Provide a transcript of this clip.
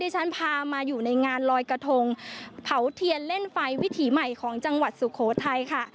ฉันพามาอยู่ในงานลอยกระทงเผาเทียนเล่นไฟวิถีใหม่ของจังหวัดสุโขทัยค่ะ